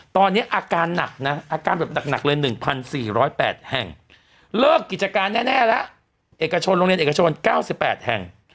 ตอนนี้อาการหนักนะอาการแบบหนักเลย๑๔๐๘แห่งเลิกกิจการแน่แล้วเอกชนโรงเรียนเอกชน๙๘แห่ง